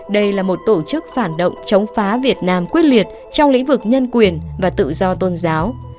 đây là một tổ chức phản động chống phá việt nam quyết liệt trong lĩnh vực nhân quyền và tự do tôn giáo